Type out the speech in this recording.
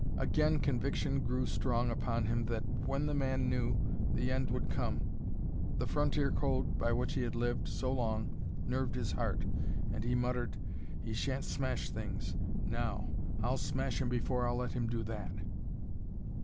Again conviction grew strong upon him that, when the man knew, the end would come. The frontier code by which he had lived so long nerved his heart, and he muttered, "He shan't smash things now! I'll smash him before I'll let him do that!"